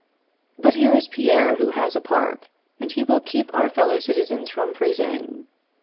] But here is Pierre, who has a park, and he will keep our fellow citizens from freezing.